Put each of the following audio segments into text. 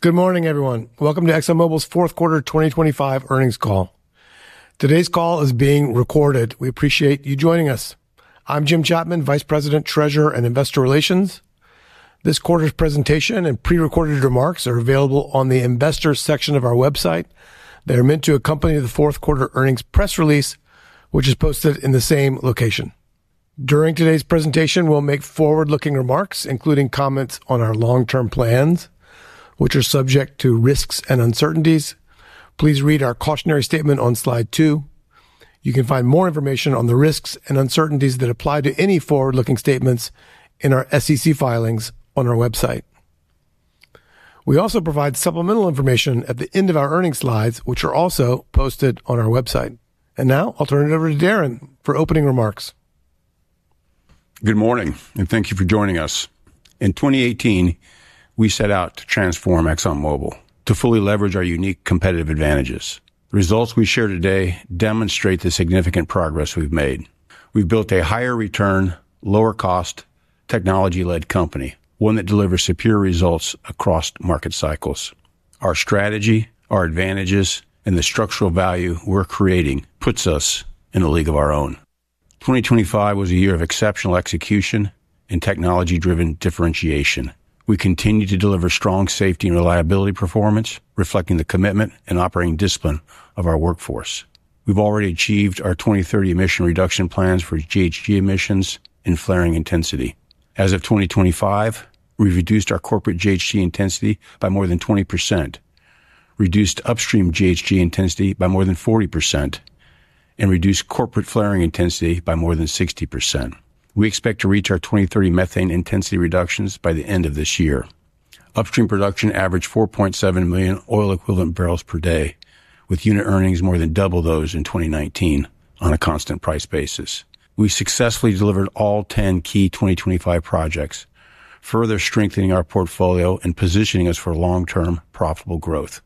Good morning, everyone. Welcome to ExxonMobil's fourth quarter 2025 earnings call. Today's call is being recorded. We appreciate you joining us. I'm Jim Chapman, Vice President, Treasurer, and Investor Relations. This quarter's presentation and prerecorded remarks are available on the investors section of our website. They are meant to accompany the fourth quarter earnings press release, which is posted in the same location. During today's presentation, we'll make forward-looking remarks, including comments on our long-term plans, which are subject to risks and uncertainties. Please read our cautionary statement on slide two. You can find more information on the risks and uncertainties that apply to any forward-looking statements in our SEC filings on our website. We also provide supplemental information at the end of our earnings slides, which are also posted on our website. Now I'll turn it over to Darren for opening remarks. Good morning, and thank you for joining us. In 2018, we set out to transform ExxonMobil to fully leverage our unique competitive advantages. The results we share today demonstrate the significant progress we've made. We've built a higher return, lower cost, technology-led company, one that delivers superior results across market cycles. Our strategy, our advantages, and the structural value we're creating puts us in a league of our own. 2025 was a year of exceptional execution and technology-driven differentiation. We continued to deliver strong safety and reliability performance, reflecting the commitment and operating discipline of our workforce. We've already achieved our 2030 emission reduction plans for GHG emissions and flaring intensity. As of 2025, we've reduced our corporate GHG intensity by more than 20%, reduced upstream GHG intensity by more than 40%, and reduced corporate flaring intensity by more than 60%. We expect to reach our 2030 methane intensity reductions by the end of this year. Upstream production averaged 4.7 million oil equivalent barrels per day, with unit earnings more than double those in 2019 on a constant price basis. We successfully delivered all 10 key 2025 projects, further strengthening our portfolio and positioning us for long-term profitable growth.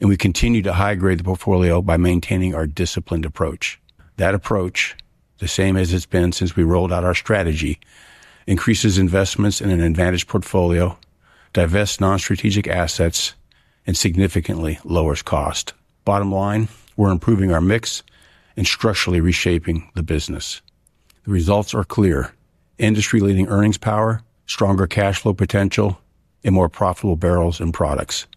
We continue to high-grade the portfolio by maintaining our disciplined approach. That approach, the same as it's been since we rolled out our strategy, increases investments in an advantage portfolio, divests non-strategic assets, and significantly lowers cost. Bottom line, we're improving our mix and structurally reshaping the business. The results are clear: industry-leading earnings power, stronger cash flow potential, and more profitable barrels and products.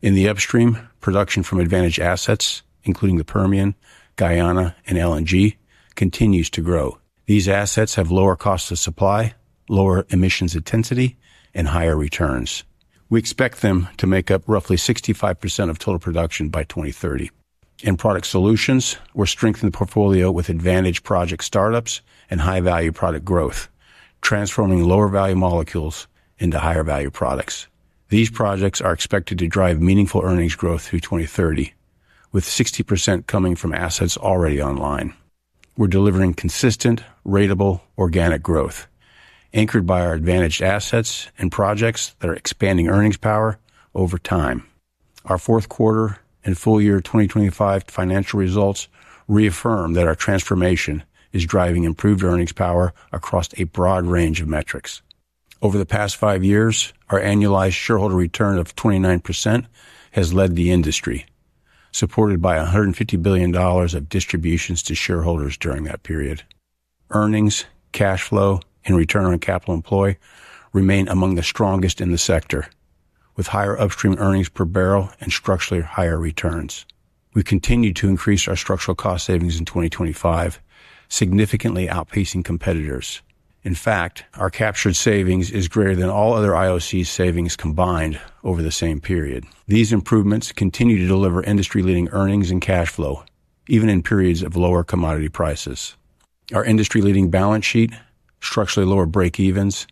In the upstream, production from advantage assets, including the Permian, Guyana, and LNG, continues to grow. These assets have lower cost of supply, lower emissions intensity, and higher returns. We expect them to make up roughly 65% of total production by 2030. In Product Solutions, we're strengthening the portfolio with advantage project startups and high-value product growth, transforming lower-value molecules into higher-value products. These projects are expected to drive meaningful earnings growth through 2030, with 60% coming from assets already online. We're delivering consistent, ratable, organic growth, anchored by our advantaged assets and projects that are expanding earnings power over time. Our fourth quarter and full year 2025 financial results reaffirm that our transformation is driving improved earnings power across a broad range of metrics. Over the past five years, our annualized shareholder return of 29% has led the industry, supported by $150 billion of distributions to shareholders during that period. Earnings, cash flow, and return on capital employed remain among the strongest in the sector, with higher upstream earnings per barrel and structurally higher returns. We continued to increase our structural cost savings in 2025, significantly outpacing competitors. In fact, our captured savings is greater than all other IOC savings combined over the same period. These improvements continue to deliver industry-leading earnings and cash flow, even in periods of lower commodity prices. Our industry-leading balance sheet, structurally lower breakevens,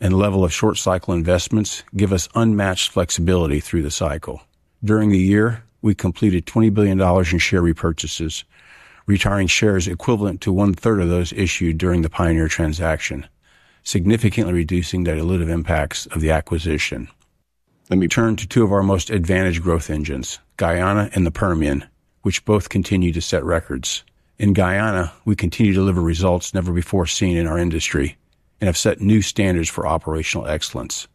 and level of short-cycle investments give us unmatched flexibility through the cycle. During the year, we completed $20 billion in share repurchases, retiring shares equivalent to one-third of those issued during the Pioneer transaction, significantly reducing the dilutive impacts of the acquisition. Let me turn to two of our most advantaged growth engines, Guyana and the Permian, which both continue to set records. In Guyana, we continue to deliver results never before seen in our industry and have set new standards for operational excellence.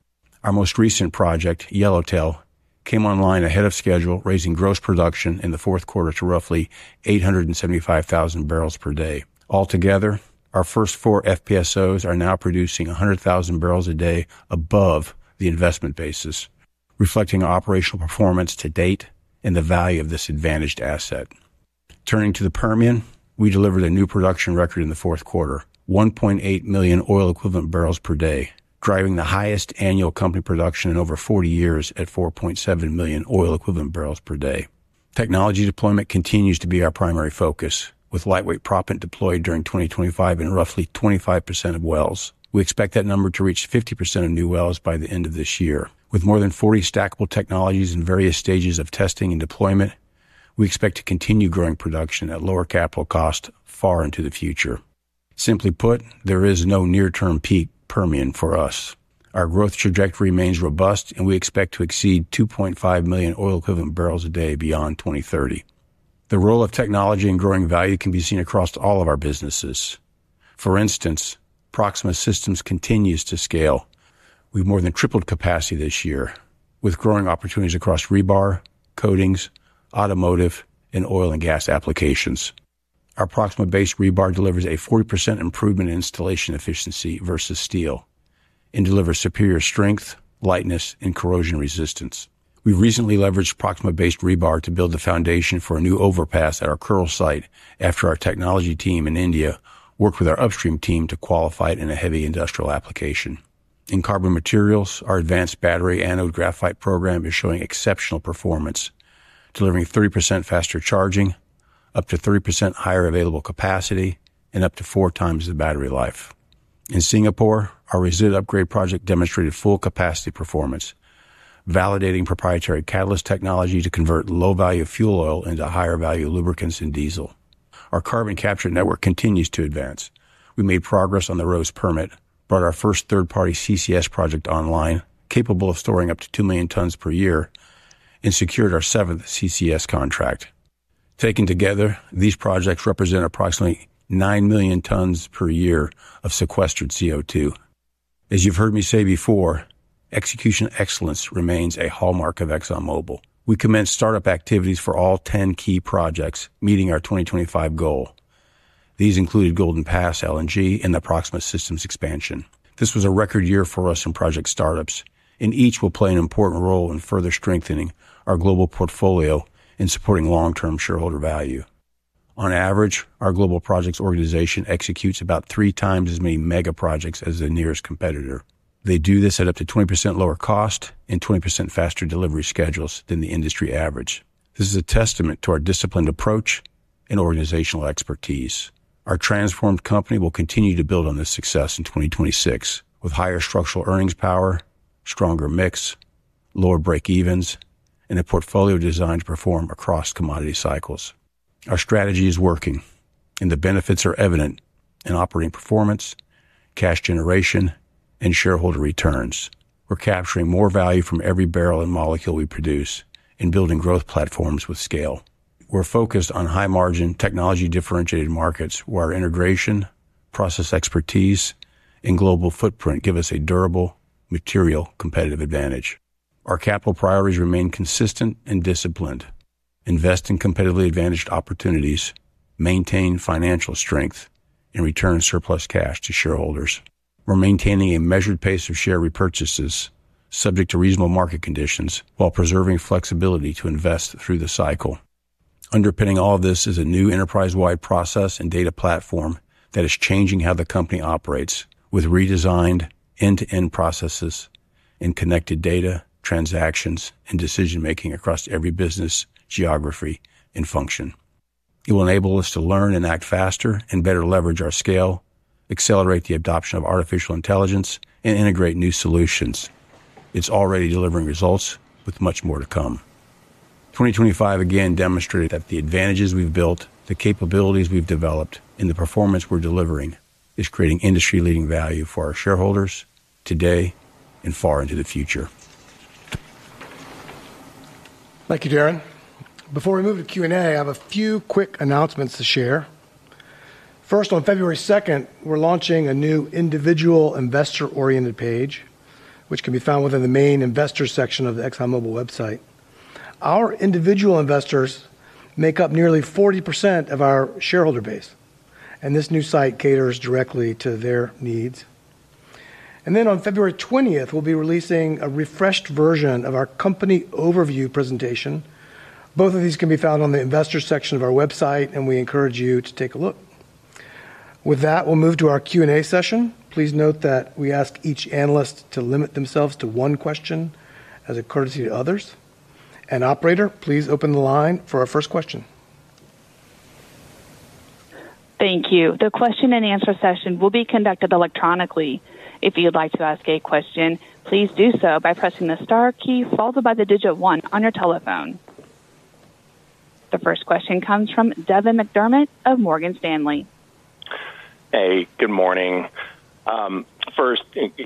Our most recent project, Yellowtail, came online ahead of schedule, raising gross production in the fourth quarter to roughly 875,000 barrels per day. Altogether, our first four FPSOs are now producing 100,000 barrels a day above the investment basis, reflecting operational performance to date and the value of this advantaged asset. Turning to the Permian, we delivered a new production record in the fourth quarter, 1.8 million oil equivalent barrels per day, driving the highest annual company production in over 40 years at 4.7 million oil equivalent barrels per day. Technology deployment continues to be our primary focus, with lightweight proppant deployed during 2025 in roughly 25% of wells. We expect that number to reach 50% of new wells by the end of this year. With more than 40 stackable technologies in various stages of testing and deployment, we expect to continue growing production at lower capital cost far into the future. Simply put, there is no near-term peak Permian for us. Our growth trajectory remains robust, and we expect to exceed 2.5 million oil equivalent barrels a day beyond 2030. The role of technology and growing value can be seen across all of our businesses. For instance, Proxxima Systems continues to scale. We've more than tripled capacity this year, with growing opportunities across rebar, coatings, automotive, and oil and gas applications. Our Proxxima-based rebar delivers a 40% improvement in installation efficiency versus steel and delivers superior strength, lightness, and corrosion resistance. We recently leveraged Proxxima-based rebar to build the foundation for a new overpass at our Kearl site after our technology team in India worked with our upstream team to qualify it in a heavy industrial application. In carbon materials, our advanced battery anode graphite program is showing exceptional performance, delivering 30% faster charging, up to 3% higher available capacity, and up to 4 times the battery life. In Singapore, our Resid upgrade project demonstrated full capacity performance, validating proprietary catalyst technology to convert low-value fuel oil into higher-value lubricants and diesel. Our carbon capture network continues to advance. We made progress on the Rouge permit, brought our first third-party CCS project online, capable of storing up to 2 million tons per year, and secured our seventh CCS contract. Taken together, these projects represent approximately 9 million tons per year of sequestered CO2. As you've heard me say before, execution excellence remains a hallmark of ExxonMobil. We commenced startup activities for all 10 key projects, meeting our 2025 goal. These included Golden Pass, LNG, and the Proxima Systems expansion. This was a record year for us in project startups, and each will play an important role in further strengthening our global portfolio and supporting long-term shareholder value. On average, our global projects organization executes about three times as many mega projects as the nearest competitor. They do this at up to 20% lower cost and 20% faster delivery schedules than the industry average. This is a testament to our disciplined approach and organizational expertise. Our transformed company will continue to build on this success in 2026, with higher structural earnings power, stronger mix, lower break evens, and a portfolio designed to perform across commodity cycles. Our strategy is working, and the benefits are evident in operating performance, cash generation, and shareholder returns. We're capturing more value from every barrel and molecule we produce and building growth platforms with scale. We're focused on high-margin, technology-differentiated markets, where our integration, process expertise, and global footprint give us a durable material competitive advantage. Our capital priorities remain consistent and disciplined: invest in competitively advantaged opportunities, maintain financial strength, and return surplus cash to shareholders. We're maintaining a measured pace of share repurchases, subject to reasonable market conditions, while preserving flexibility to invest through the cycle. Underpinning all of this is a new enterprise-wide process and data platform that is changing how the company operates, with redesigned end-to-end processes and connected data, transactions, and decision-making across every business, geography, and function. It will enable us to learn and act faster and better leverage our scale, accelerate the adoption of artificial intelligence, and integrate new solutions. It's already delivering results with much more to come. 2025 again demonstrated that the advantages we've built, the capabilities we've developed, and the performance we're delivering is creating industry-leading value for our shareholders today and far into the future. Thank you, Darren. Before we move to Q&A, I have a few quick announcements to share. First, on February 2, we're launching a new individual investor-oriented page, which can be found within the main investor section of the ExxonMobil website. Our individual investors make up nearly 40% of our shareholder base, and this new site caters directly to their needs. And then on February 20, we'll be releasing a refreshed version of our company overview presentation. Both of these can be found on the investor section of our website, and we encourage you to take a look. With that, we'll move to our Q&A session. Please note that we ask each analyst to limit themselves to one question as a courtesy to others. And operator, please open the line for our first question. Thank you. The question-and-answer session will be conducted electronically. If you'd like to ask a question, please do so by pressing the star key, followed by the digit one on your telephone. The first question comes from Devin McDermott of Morgan Stanley. Hey, good morning. First,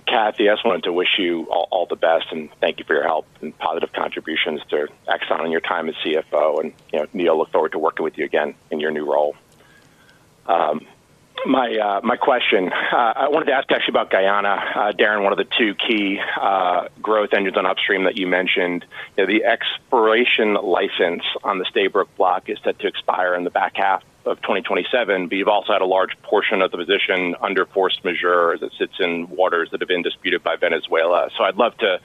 Kathy, I just wanted to wish you all, all the best and thank you for your help and positive contributions to Exxon in your time as CFO. And, you know, Neil, look forward to working with you again in your new role. My question, I wanted to ask actually about Guyana, Darren, one of the two key growth engines on upstream that you mentioned. You know, the exploration license on the Stabroek Block is set to expire in the back half of 2027, but you've also had a large portion of the position under force majeure that sits in waters that have been disputed by Venezuela. I'd love to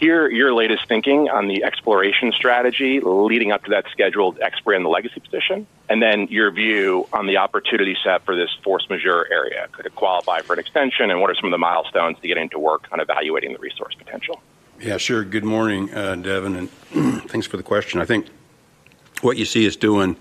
hear your latest thinking on the exploration strategy leading up to that scheduled expiry on the legacy position, and then your view on the opportunity set for this force majeure area. Could it qualify for an extension, and what are some of the milestones to getting to work on evaluating the resource potential? Yeah, sure. Good morning, Devin, and thanks for the question. I think what you see us doing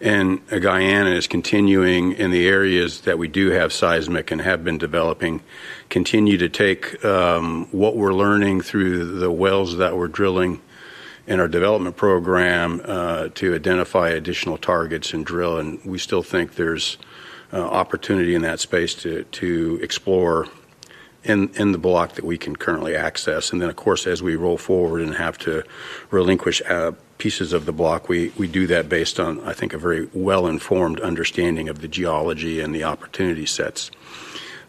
in Guyana is continuing in the areas that we do have seismic and have been developing, continue to take what we're learning through the wells that we're drilling in our development program to identify additional targets and drill. And we still think there's opportunity in that space to explore in the block that we can currently access. And then, of course, as we roll forward and have to relinquish pieces of the block, we do that based on, I think, a very well-informed understanding of the geology and the opportunity sets.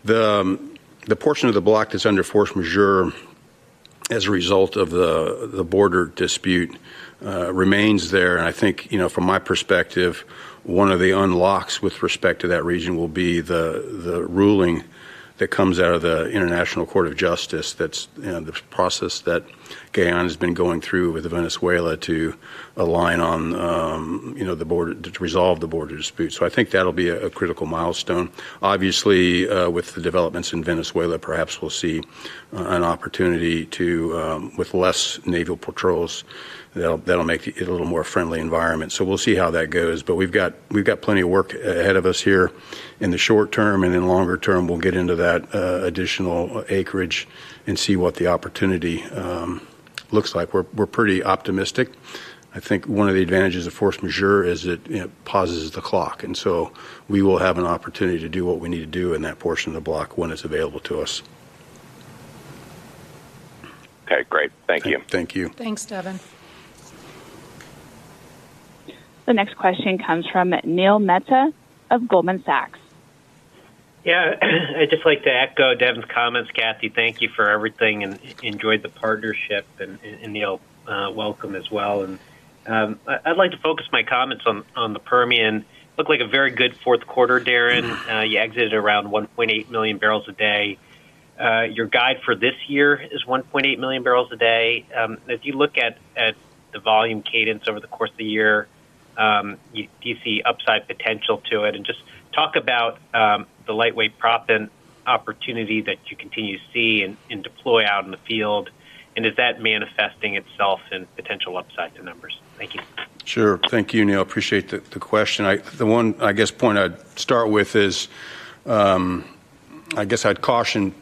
The portion of the block that's under force majeure as a result of the border dispute remains there. And I think, you know, from my perspective, one of the unlocks with respect to that region will be the ruling that comes out of the International Court of Justice. That's, you know, the process that Guyana has been going through with Venezuela to align on, you know, the border to resolve the border dispute. So I think that'll be a critical milestone. Obviously, with the developments in Venezuela, perhaps we'll see an opportunity with less naval patrols. That'll make it a little more friendly environment. So we'll see how that goes. But we've got plenty of work ahead of us here in the short term, and in longer term, we'll get into that additional acreage and see what the opportunity looks like. We're pretty optimistic. I think one of the advantages of force majeure is it, you know, pauses the clock, and so we will have an opportunity to do what we need to do in that portion of the block when it's available to us. Okay, great. Thank you. Thank you. Thanks, Devin. The next question comes from Neil Mehta of Goldman Sachs. Yeah, I'd just like to echo Devin's comments. Kathy, thank you for everything, and enjoyed the partnership. And, Neil, welcome as well. And, I'd like to focus my comments on the Permian. Looked like a very good fourth quarter, Darren. You exited around 1.8 million barrels a day. Your guide for this year is 1.8 million barrels a day. If you look at the volume cadence over the course of the year, do you see upside potential to it? And just talk about the lightweight proppant opportunity that you continue to see and deploy out in the field, and is that manifesting itself in potential upside to numbers? Thank you. Sure. Thank you, Neil. Appreciate the question. I—the one, I guess, point I'd start with is, I guess I'd caution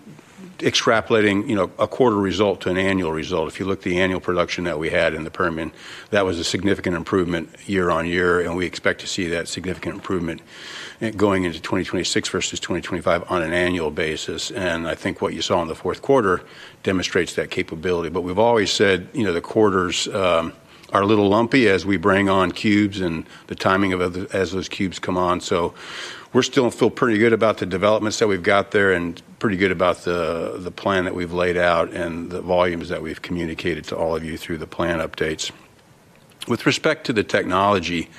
extrapolating, you know, a quarter result to an annual result. If you look at the annual production that we had in the Permian, that was a significant improvement year-on-year, and we expect to see that significant improvement going into 2026 versus 2025 on an annual basis. And I think what you saw in the fourth quarter demonstrates that capability. But we've always said, you know, the quarters are a little lumpy as we bring on cubes and the timing of as those cubes come on. So we're still feel pretty good about the developments that we've got there and pretty good about the plan that we've laid out and the volumes that we've communicated to all of you through the plan updates. With respect to the technology,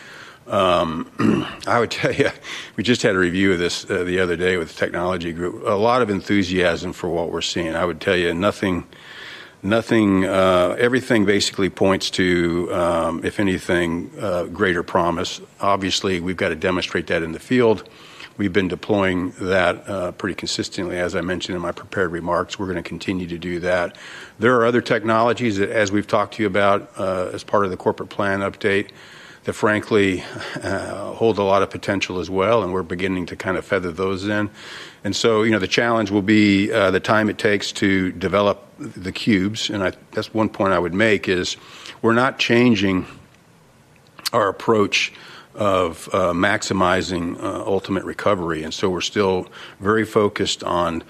I would tell you we just had a review of this, the other day with the technology group. A lot of enthusiasm for what we're seeing. I would tell you nothing, everything basically points to, if anything, greater promise. Obviously, we've got to demonstrate that in the field. We've been deploying that, pretty consistently, as I mentioned in my prepared remarks. We're gonna continue to do that. There are other technologies that, as we've talked to you about, as part of the corporate plan update, that frankly, hold a lot of potential as well, and we're beginning to kind of feather those in. And so, you know, the challenge will be, the time it takes to develop the cubes. And that's one point I would make, is we're not changing our approach of, maximizing, ultimate recovery, and so we're still very focused on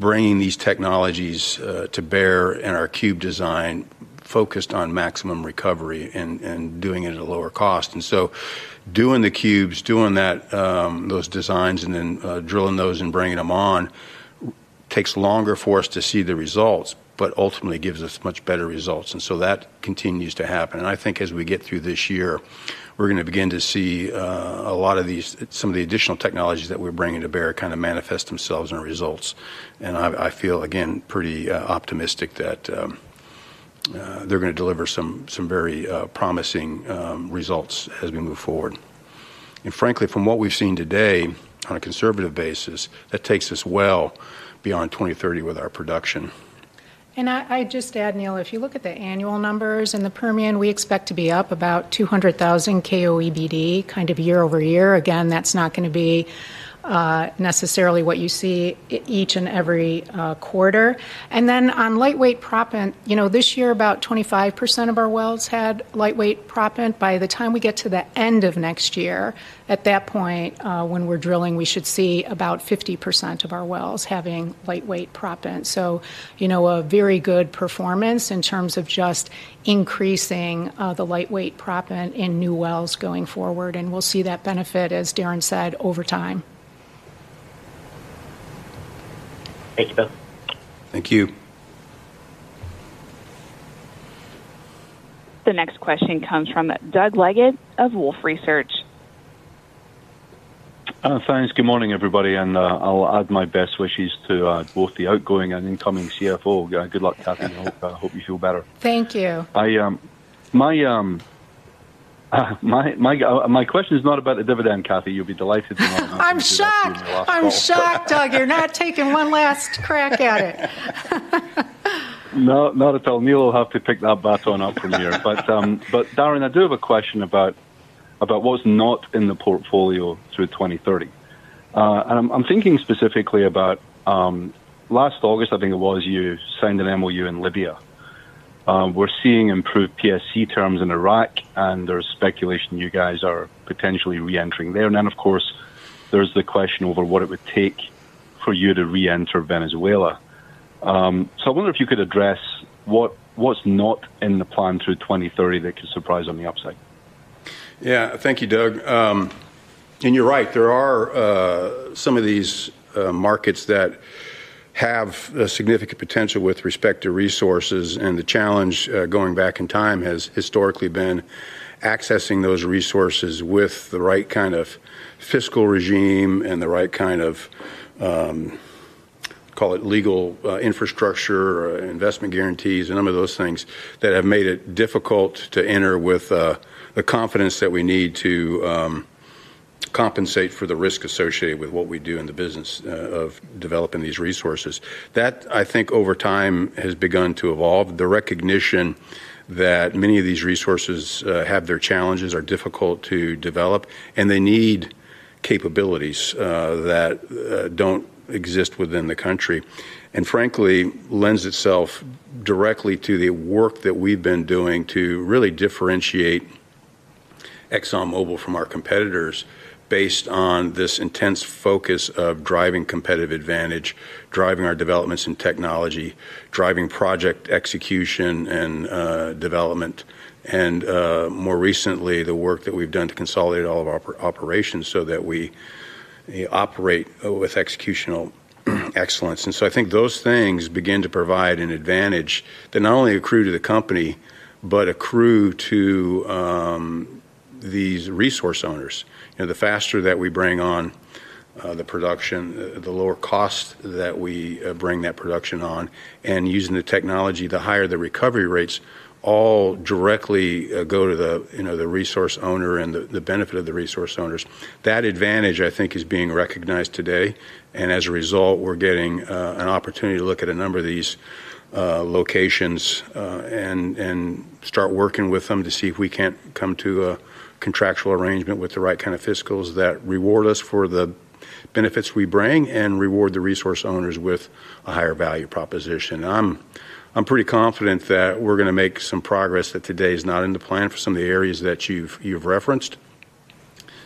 bringing these technologies, to bear in our cube design, focused on maximum recovery and doing it at a lower cost. And so doing the cubes, doing that, those designs, and then, drilling those and bringing them on, takes longer for us to see the results, but ultimately gives us much better results. And so that continues to happen. I think as we get through this year, we're gonna begin to see a lot of these, some of the additional technologies that we're bringing to bear kind of manifest themselves in our results. I feel, again, pretty optimistic that they're gonna deliver some very promising results as we move forward. Frankly, from what we've seen today, on a conservative basis, that takes us well beyond 2030 with our production. And I'd just add, Neil, if you look at the annual numbers in the Permian, we expect to be up about 200,000 kboe/d, kind of year-over-year. Again, that's not gonna be necessarily what you see each and every quarter. And then on lightweight proppant, you know, this year, about 25% of our wells had lightweight proppant. By the time we get to the end of next year, at that point, when we're drilling, we should see about 50% of our wells having lightweight proppant. So, you know, a very good performance in terms of just increasing the lightweight proppant in new wells going forward, and we'll see that benefit, as Darren said, over time. Thank you, both. Thank you. The next question comes from Doug Leggate of Wolfe Research. Thanks. Good morning, everybody, and I'll add my best wishes to both the outgoing and incoming CFO. Good luck, Kathy. I hope you feel better. Thank you. My question is not about the dividend, Kathy. You'll be delighted to know- I'm shocked! in my last call. I'm shocked, Doug. You're not taking one last crack at it. No, not at all. Neil will have to pick that baton up from here. But Darren, I do have a question about what's not in the portfolio through 2030. And I'm thinking specifically about last August, I think it was, you signed an MOU in Libya. We're seeing improved PSC terms in Iraq, and there's speculation you guys are potentially reentering there. And then, of course, there's the question over what it would take for you to reenter Venezuela. So I wonder if you could address what's not in the plan through 2030 that could surprise on the upside? Yeah. Thank you, Doug. And you're right, there are some of these markets that have a significant potential with respect to resources, and the challenge going back in time has historically been accessing those resources with the right kind of fiscal regime and the right kind of, call it legal infrastructure or investment guarantees, a number of those things that have made it difficult to enter with the confidence that we need to compensate for the risk associated with what we do in the business of developing these resources. That, I think, over time, has begun to evolve. The recognition that many of these resources have their challenges, are difficult to develop, and they need capabilities that don't exist within the country, and frankly, lends itself directly to the work that we've been doing to really differentiate ExxonMobil from our competitors based on this intense focus of driving competitive advantage, driving our developments in technology, driving project execution and development, and more recently, the work that we've done to consolidate all of our operations so that we operate with executional excellence. And so I think those things begin to provide an advantage that not only accrue to the company, but accrue to these resource owners. You know, the faster that we bring on the production, the lower cost that we bring that production on, and using the technology to higher the recovery rates, all directly go to the, you know, the resource owner and the benefit of the resource owners. That advantage, I think, is being recognized today, and as a result, we're getting an opportunity to look at a number of these locations and start working with them to see if we can't come to a contractual arrangement with the right kind of fiscals that reward us for the benefits we bring and reward the resource owners with a higher value proposition. I'm pretty confident that we're gonna make some progress that today is not in the plan for some of the areas that you've referenced.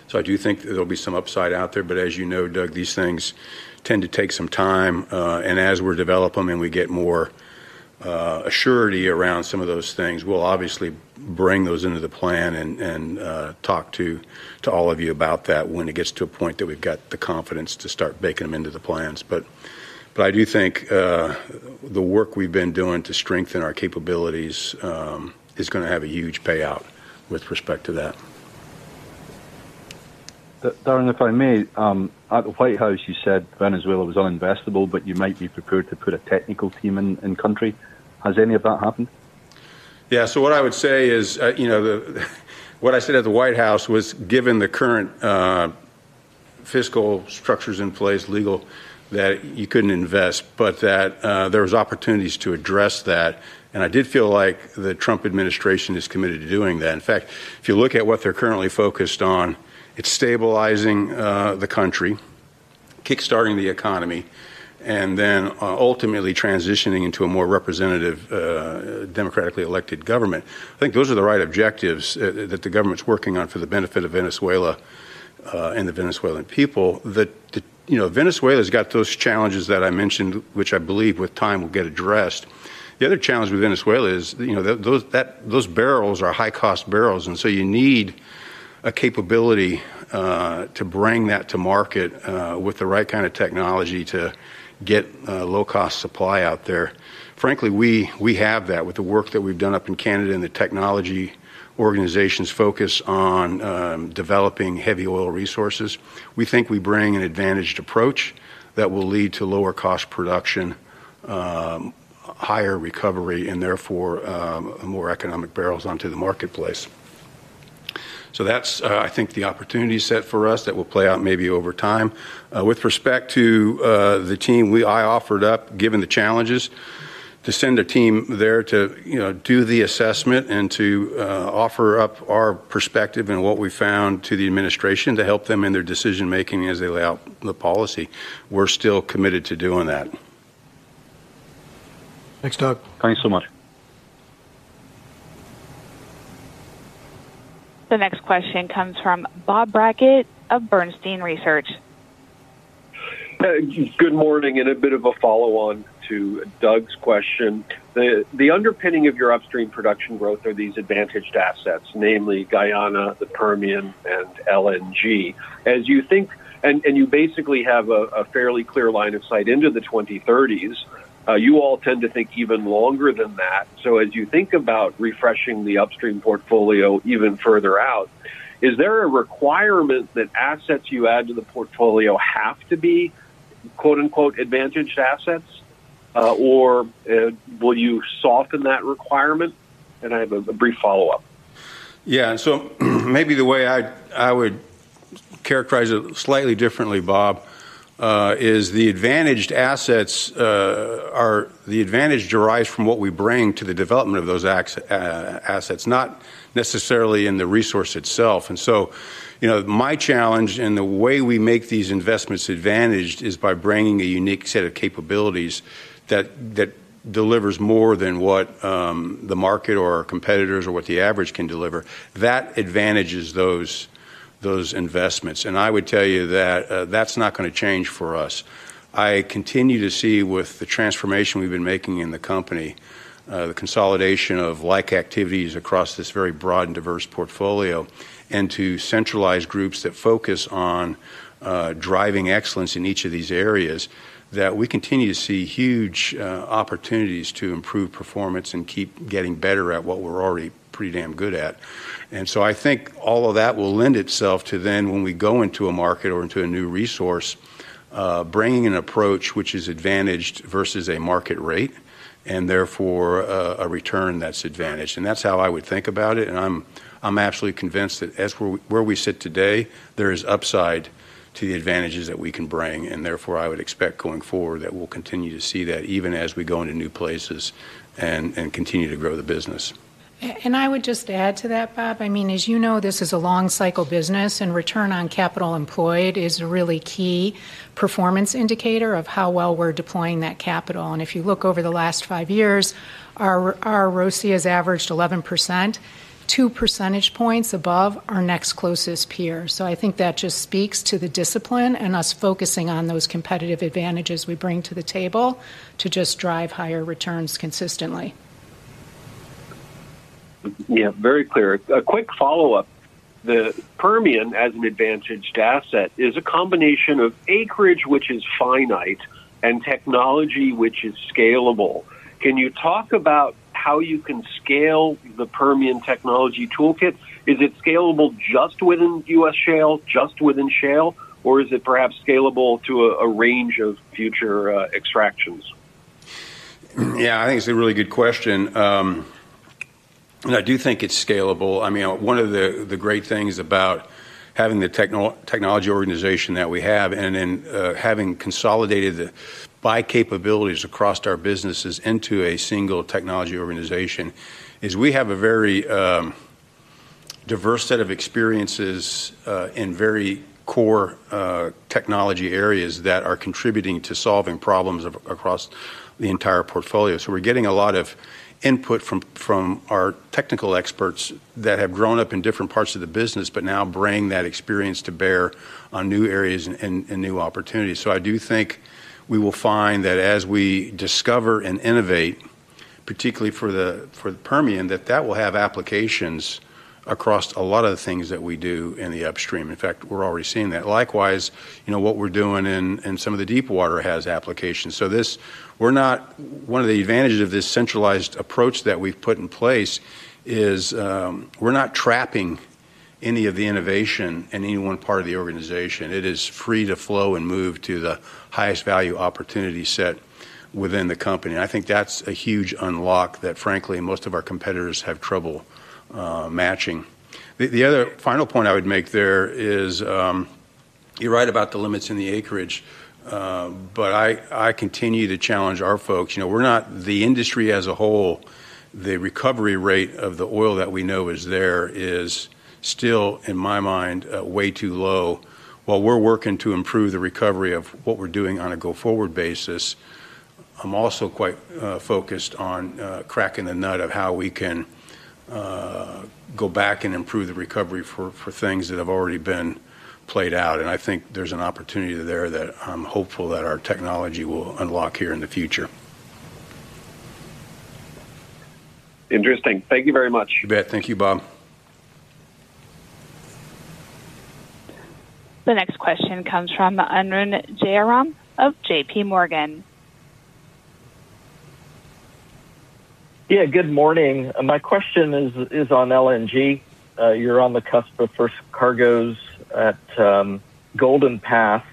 So I do think there'll be some upside out there, but as you know, Doug, these things tend to take some time, and as we develop them and we get more surety around some of those things, we'll obviously bring those into the plan and talk to all of you about that when it gets to a point that we've got the confidence to start baking them into the plans. But I do think the work we've been doing to strengthen our capabilities is gonna have a huge payout with respect to that. Darren, if I may, at the White House, you said Venezuela was uninvestable, but you might be prepared to put a technical team in country. Has any of that happened? Yeah. So what I would say is, you know, what I said at the White House was, given the current fiscal structures in place, legal, that you couldn't invest, but that there was opportunities to address that, and I did feel like the Trump administration is committed to doing that. In fact, if you look at what they're currently focused on, it's stabilizing the country, kickstarting the economy, and then ultimately transitioning into a more representative democratically elected government. I think those are the right objectives that the government's working on for the benefit of Venezuela and the Venezuelan people. You know, Venezuela's got those challenges that I mentioned, which I believe with time will get addressed. The other challenge with Venezuela is, you know, those barrels are high-cost barrels, and so you need a capability to bring that to market with the right kind of technology to get low-cost supply out there. Frankly, we have that. With the work that we've done up in Canada and the technology organizations focus on developing heavy oil resources, we think we bring an advantaged approach that will lead to lower cost production, higher recovery, and therefore, more economic barrels onto the marketplace. So that's, I think, the opportunity set for us that will play out maybe over time. With respect to the team, I offered up, given the challenges, to send a team there to, you know, do the assessment and to offer up our perspective and what we found to the administration to help them in their decision-making as they lay out the policy. We're still committed to doing that. Thanks, Doug. Thank you so much. The next question comes from Bob Brackett of Bernstein Research. Good morning, and a bit of a follow-on to Doug's question. The underpinning of your upstream production growth are these advantaged assets, namely Guyana, the Permian, and LNG. As you think... And you basically have a fairly clear line of sight into the 2030s. You all tend to think even longer than that. So as you think about refreshing the upstream portfolio even further out, is there a requirement that assets you add to the portfolio have to be, quote, unquote, "advantaged assets," or will you soften that requirement? And I have a brief follow-up. Yeah. So maybe the way I would characterize it slightly differently, Bob, is the advantaged assets are the advantage derives from what we bring to the development of those assets, not necessarily in the resource itself. And so, you know, my challenge and the way we make these investments advantaged is by bringing a unique set of capabilities that delivers more than what the market or our competitors or what the average can deliver. That advantages those investments. And I would tell you that that's not gonna change for us. I continue to see with the transformation we've been making in the company, the consolidation of like activities across this very broad and diverse portfolio, and to centralize groups that focus on, driving excellence in each of these areas, that we continue to see huge, opportunities to improve performance and keep getting better at what we're already pretty damn good at. And so I think all of that will lend itself to then when we go into a market or into a new resource, bringing an approach which is advantaged versus a market rate, and therefore, a return that's advantaged. That's how I would think about it, and I'm absolutely convinced that where we sit today, there is upside to the advantages that we can bring, and therefore, I would expect going forward that we'll continue to see that even as we go into new places and continue to grow the business. And I would just add to that, Bob. I mean, as you know, this is a long cycle business, and return on capital employed is a really key performance indicator of how well we're deploying that capital. And if you look over the last five years, our ROCE has averaged 11%, two percentage points above our next closest peer. So I think that just speaks to the discipline and us focusing on those competitive advantages we bring to the table to just drive higher returns consistently. Yeah, very clear. A quick follow-up. The Permian, as an advantaged asset, is a combination of acreage, which is finite, and technology, which is scalable. Can you talk about how you can scale the Permian technology toolkit? Is it scalable just within US shale, just within shale, or is it perhaps scalable to a range of future extractions? Yeah, I think it's a really good question. And I do think it's scalable. I mean, one of the great things about having the technology organization that we have, and then having consolidated the buy capabilities across our businesses into a single technology organization, is we have a very diverse set of experiences in very core technology areas that are contributing to solving problems across the entire portfolio. So we're getting a lot of input from our technical experts that have grown up in different parts of the business, but now bring that experience to bear on new areas and new opportunities. So I do think we will find that as we discover and innovate, particularly for the Permian, that that will have applications across a lot of the things that we do in the upstream. In fact, we're already seeing that. Likewise, you know, what we're doing in some of the deep water has applications. So we're not one of the advantages of this centralized approach that we've put in place is, we're not trapping any of the innovation in any one part of the organization. It is free to flow and move to the highest value opportunity set within the company. And I think that's a huge unlock that, frankly, most of our competitors have trouble matching. The other final point I would make there is, you're right about the limits in the acreage, but I continue to challenge our folks. You know, we're not the industry as a whole. The recovery rate of the oil that we know is there is still, in my mind, way too low. While we're working to improve the recovery of what we're doing on a go-forward basis, I'm also quite focused on cracking the nut of how we can go back and improve the recovery for things that have already been played out. I think there's an opportunity there that I'm hopeful that our technology will unlock here in the future. Interesting. Thank you very much. You bet. Thank you, Bob. The next question comes from Arun Jayaram of J.P. Morgan. Yeah, good morning. My question is on LNG. You're on the cusp of first cargoes at Golden Pass.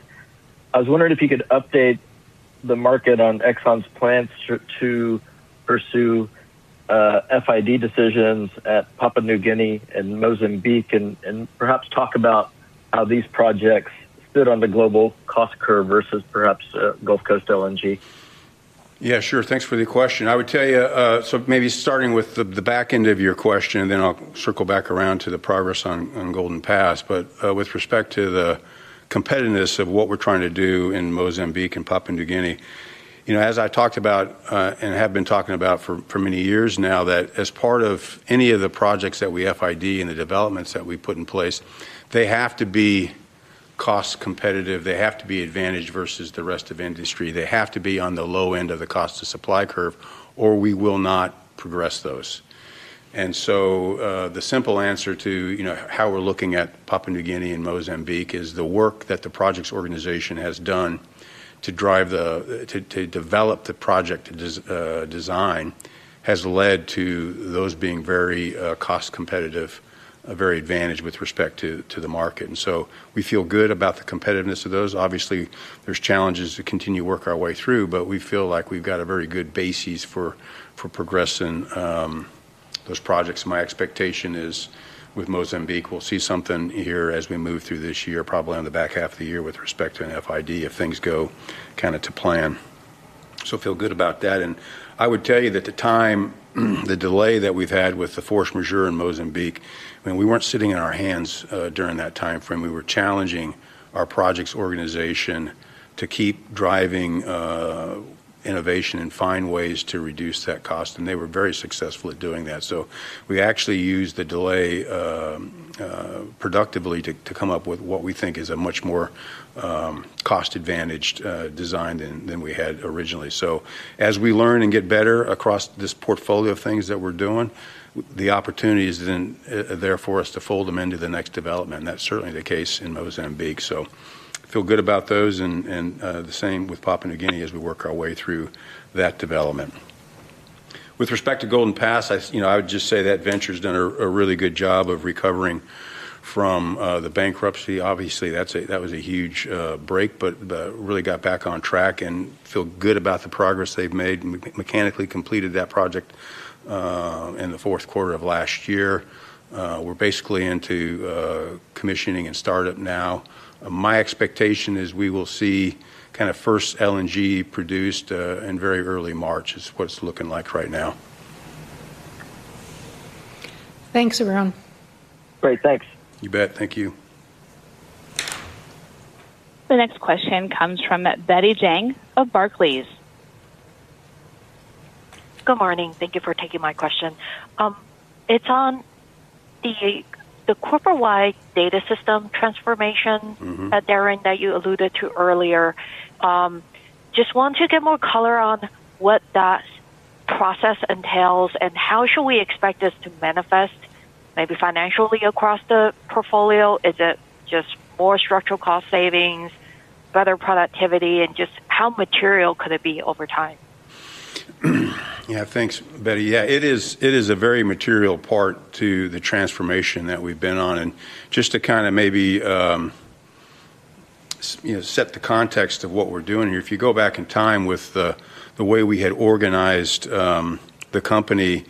I was wondering if you could update the market on Exxon's plans to pursue FID decisions at Papua New Guinea and Mozambique, and perhaps talk about how these projects stood on the global cost curve versus perhaps Gulf Coast LNG. Yeah, sure. Thanks for the question. I would tell you, so maybe starting with the back end of your question, and then I'll circle back around to the progress on Golden Pass. But, with respect to the competitiveness of what we're trying to do in Mozambique and Papua New Guinea, you know, as I talked about, and have been talking about for many years now, that as part of any of the projects that we FID and the developments that we put in place, they have to be cost competitive. They have to be advantaged versus the rest of industry. They have to be on the low end of the cost to supply curve, or we will not progress those. And so, the simple answer to, you know, how we're looking at Papua New Guinea and Mozambique is the work that the projects organization has done to drive the—to develop the project design has led to those being very cost competitive, very advantaged with respect to the market. And so we feel good about the competitiveness of those. Obviously, there's challenges to continue to work our way through, but we feel like we've got a very good basis for progressing those projects. My expectation is with Mozambique, we'll see something here as we move through this year, probably on the back half of the year, with respect to an FID, if things go kind of to plan. So feel good about that. I would tell you that the time, the delay that we've had with the force majeure in Mozambique, I mean, we weren't sitting in our hands, during that timeframe. We were challenging our projects organization to keep driving, innovation and find ways to reduce that cost, and they were very successful at doing that. So we actually used the delay, productively to, to come up with what we think is a much more, cost-advantaged, design than, than we had originally. So as we learn and get better across this portfolio of things that we're doing, the opportunities then, are there for us to fold them into the next development, and that's certainly the case in Mozambique. So feel good about those and, the same with Papua New Guinea as we work our way through that development. With respect to Golden Pass, I, you know, I would just say that venture's done a really good job of recovering from the bankruptcy. Obviously, that's a--that was a huge break, but really got back on track and feel good about the progress they've made and mechanically completed that project in the fourth quarter of last year. We're basically into commissioning and startup now. My expectation is we will see kind of first LNG produced in very early March, is what it's looking like right now. Thanks, everyone. Great. Thanks. You bet. Thank you. The next question comes from Betty Jiang of Barclays. Good morning. Thank you for taking my question. It's on the corporate-wide data system transformation- Mm-hmm. Darren, that you alluded to earlier. Just want to get more color on what that process entails, and how should we expect this to manifest, maybe financially across the portfolio? Is it just more structural cost savings, better productivity, and just how material could it be over time? Yeah. Thanks, Betty. Yeah, it is a very material part to the transformation that we've been on. And just to kind of maybe you know set the context of what we're doing here, if you go back in time with the way we had organized the company,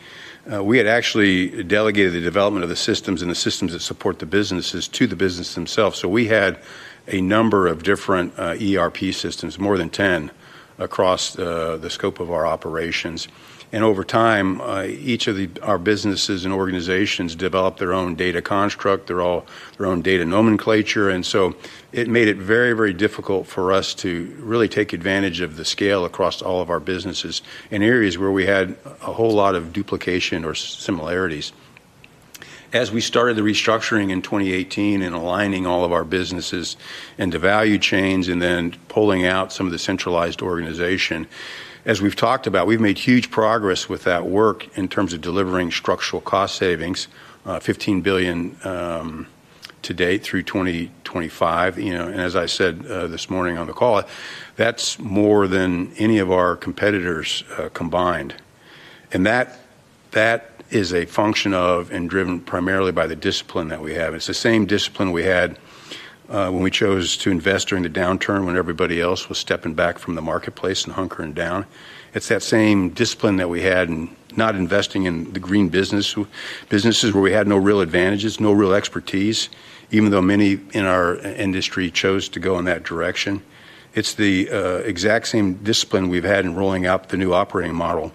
we had actually delegated the development of the systems and the systems that support the businesses to the business themselves. So we had a number of different ERP systems, more than 10, across the scope of our operations. And over time, each of our businesses and organizations developed their own data construct, their own data nomenclature. And so it made it very, very difficult for us to really take advantage of the scale across all of our businesses in areas where we had a whole lot of duplication or similarities. As we started the restructuring in 2018 and aligning all of our businesses into value chains and then pulling out some of the centralized organization, as we've talked about, we've made huge progress with that work in terms of delivering structural cost savings, $15 billion, to date through 2025. You know, and as I said, this morning on the call, that's more than any of our competitors, combined. And that, that is a function of and driven primarily by the discipline that we have. It's the same discipline we had when we chose to invest during the downturn when everybody else was stepping back from the marketplace and hunkering down. It's that same discipline that we had in not investing in the green business, businesses where we had no real advantages, no real expertise, even though many in our industry chose to go in that direction. It's the exact same discipline we've had in rolling out the new operating model,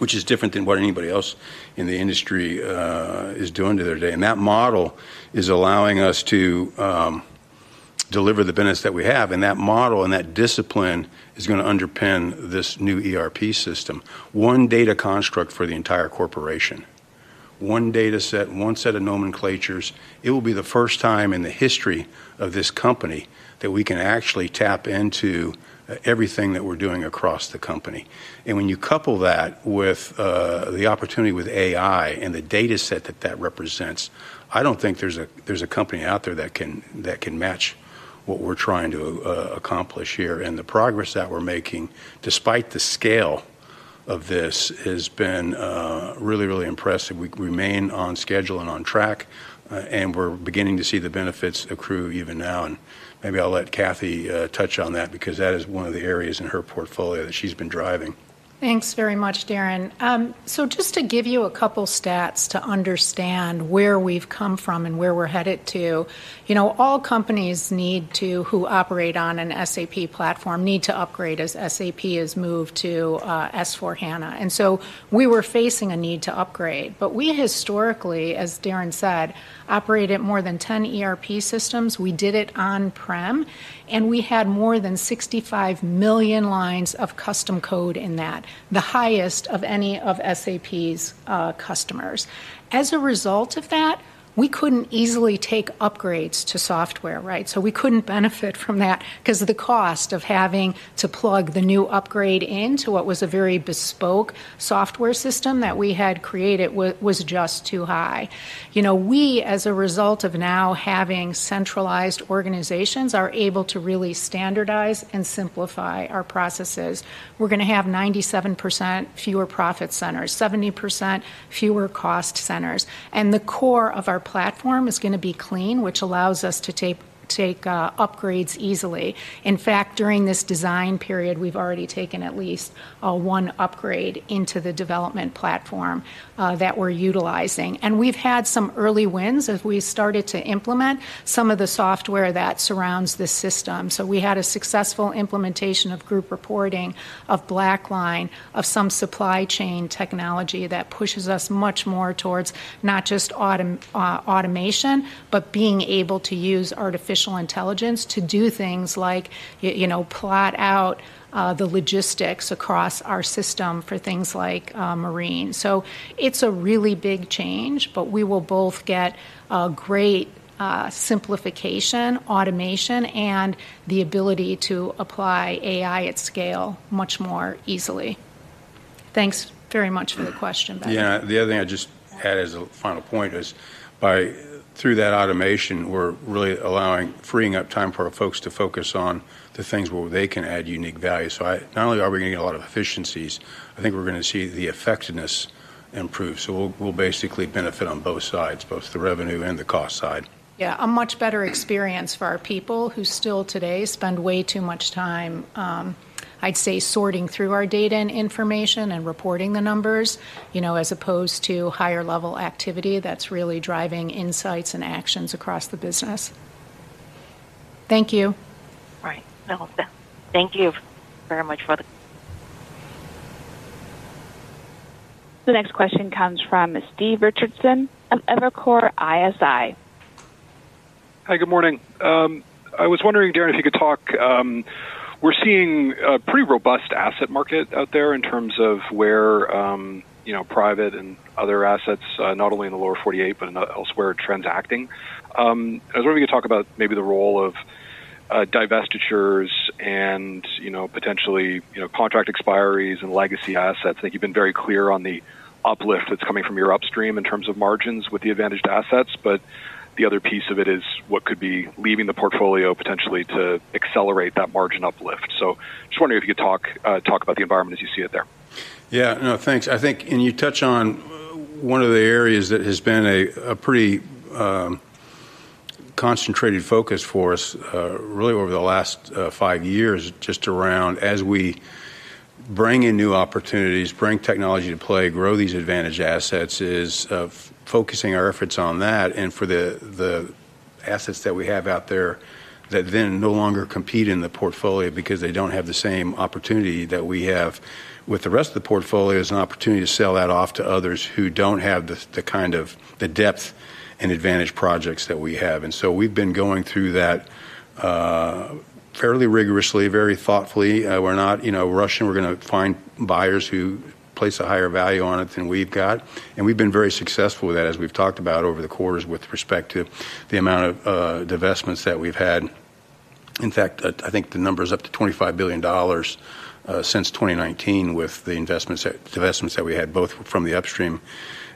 which is different than what anybody else in the industry is doing to their day. And that model is allowing us to deliver the business that we have, and that model and that discipline is gonna underpin this new ERP system. One data construct for the entire corporation, one data set, and one set of nomenclatures. It will be the first time in the history of this company that we can actually tap into everything that we're doing across the company. And when you couple that with the opportunity with AI and the data set that that represents, I don't think there's a company out there that can match what we're trying to accomplish here. And the progress that we're making, despite the scale of this, has been really, really impressive. We remain on schedule and on track, and we're beginning to see the benefits accrue even now. And maybe I'll let Kathy touch on that because that is one of the areas in her portfolio that she's been driving. Thanks very much, Darren. So just to give you a couple stats to understand where we've come from and where we're headed to, you know, all companies need to, who operate on an SAP platform, need to upgrade as SAP has moved to S/4HANA. And so we were facing a need to upgrade, but we historically, as Darren said, operated more than 10 ERP systems. We did it on-prem, and we had more than 65 million lines of custom code in that, the highest of any of SAP's customers. As a result of that, we couldn't easily take upgrades to software, right? So we couldn't benefit from that because of the cost of having to plug the new upgrade into what was a very bespoke software system that we had created was just too high. You know, we, as a result of now having centralized organizations, are able to really standardize and simplify our processes. We're gonna have 97% fewer profit centers, 70% fewer cost centers, and the core of our platform is gonna be clean, which allows us to take upgrades easily. In fact, during this design period, we've already taken at least one upgrade into the development platform that we're utilizing. And we've had some early wins as we started to implement some of the software that surrounds the system. So we had a successful implementation of group reporting, of BlackLine, of some supply chain technology that pushes us much more towards not just automation, but being able to use artificial intelligence to do things like you know, plot out the logistics across our system for things like marine. It's a really big change, but we will both get a great simplification, automation, and the ability to apply AI at scale much more easily. Thanks very much for the question, Betty. Yeah, the other thing I'd just add as a final point is through that automation, we're really freeing up time for our folks to focus on the things where they can add unique value. So not only are we getting a lot of efficiencies, I think we're gonna see the effectiveness improve. So we'll basically benefit on both sides, both the revenue and the cost side. Yeah, a much better experience for our people who still today spend way too much time, I'd say, sorting through our data and information and reporting the numbers, you know, as opposed to higher-level activity that's really driving insights and actions across the business. Thank you. All right. Well, thank you very much for that. The next question comes from Stephen Richardson of Evercore ISI. Hi, good morning. I was wondering, Darren, if you could talk... We're seeing a pretty robust asset market out there in terms of where, you know, private and other assets, not only in the Lower 48, but elsewhere, transacting. I was wondering if you could talk about maybe the role of, divestitures and, you know, potentially, you know, contract expiries and legacy assets. I think you've been very clear on the uplift that's coming from your upstream in terms of margins with the advantaged assets, but the other piece of it is what could be leaving the portfolio potentially to accelerate that margin uplift. So just wondering if you could talk about the environment as you see it there. Yeah. No, thanks. I think, and you touch on one of the areas that has been a pretty concentrated focus for us, really over the last five years, just around as we bring in new opportunities, bring technology to play, grow these advantage assets, is of focusing our efforts on that, and for the assets that we have out there that then no longer compete in the portfolio because they don't have the same opportunity that we have with the rest of the portfolio, is an opportunity to sell that off to others who don't have the kind of the depth and advantage projects that we have. And so we've been going through that fairly rigorously, very thoughtfully. We're not, you know, rushing. We're gonna find buyers who place a higher value on it than we've got, and we've been very successful with that, as we've talked about over the quarters, with respect to the amount of divestments that we've had. In fact, I think the number is up to $25 billion since 2019 with the divestments that we had, both from the upstream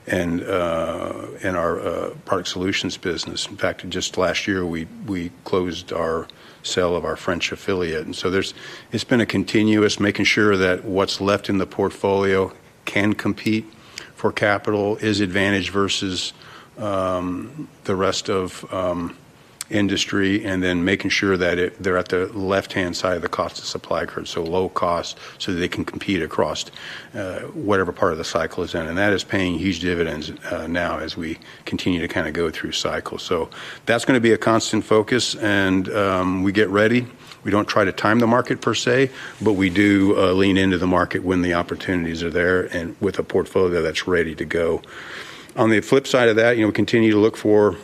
and in our park solutions business. In fact, just last year, we closed our sale of our French affiliate. It's been a continuous making sure that what's left in the portfolio can compete for capital, is advantage versus the rest of industry, and then making sure that they're at the left-hand side of the cost of supply curve, so low cost, so they can compete across whatever part of the cycle it's in. That is paying huge dividends now as we continue to kinda go through cycles. That's gonna be a constant focus, and we get ready. We don't try to time the market per se, but we do lean into the market when the opportunities are there and with a portfolio that's ready to go. On the flip side of that, we continue to look for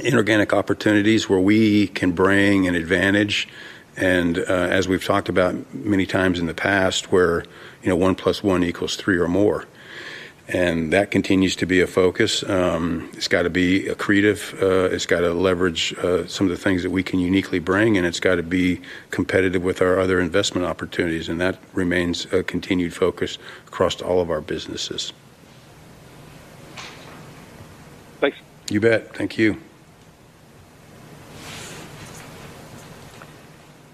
inorganic opportunities where we can bring an advantage, and, as we've talked about many times in the past, where, you know, one plus one equals three or more. That continues to be a focus. It's got to be accretive, it's got to leverage some of the things that we can uniquely bring, and it's got to be competitive with our other investment opportunities, and that remains a continued focus across all of our businesses. Thanks. You bet. Thank you.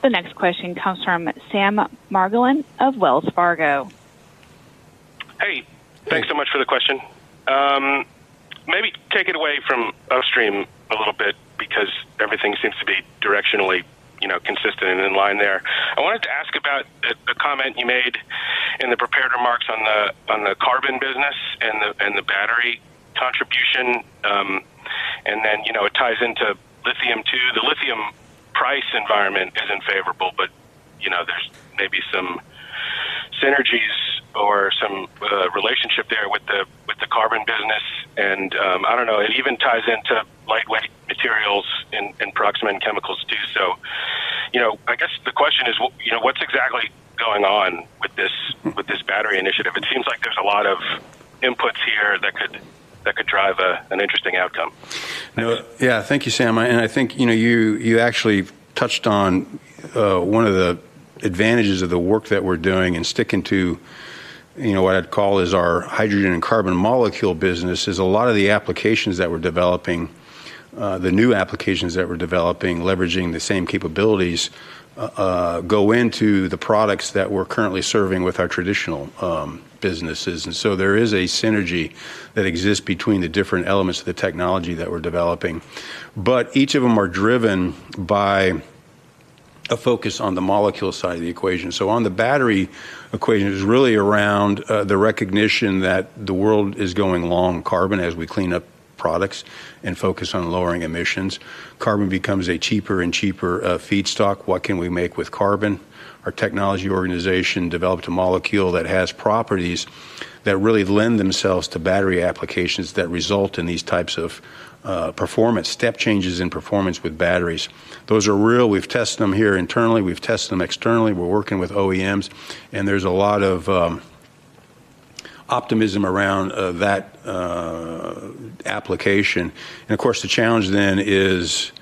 The next question comes from Sam Margolin of Wells Fargo. Hey, thanks so much for the question. Maybe take it away from upstream a little bit because everything seems to be directionally, you know, consistent and in line there. I wanted to ask about the comment you made in the prepared remarks on the carbon business and the battery contribution. And then, you know, it ties into lithium, too. The lithium price environment isn't favorable, but, you know, there's maybe some synergies or some relationship there with the carbon business. I don't know, it even ties into lightweight materials and Proxima chemicals, too. So, you know, I guess the question is: what's exactly going on with this battery initiative? It seems like there's a lot of inputs here that could drive an interesting outcome. Yeah. Thank you, Sam. And I think, you know, you actually touched on one of the advantages of the work that we're doing and sticking to, you know, what I'd call is our hydrogen and carbon molecule business, is a lot of the applications that we're developing, the new applications that we're developing, leveraging the same capabilities, go into the products that we're currently serving with our traditional businesses. And so there is a synergy that exists between the different elements of the technology that we're developing. But each of them are driven by a focus on the molecule side of the equation. So on the battery equation, it's really around the recognition that the world is going long carbon. As we clean up products and focus on lowering emissions, carbon becomes a cheaper and cheaper feedstock. What can we make with carbon? Our technology organization developed a molecule that has properties that really lend themselves to battery applications that result in these types of performance, step changes in performance with batteries. Those are real. We've tested them here internally, we've tested them externally. We're working with OEMs, and there's a lot of optimism around that application. And of course, the challenge then is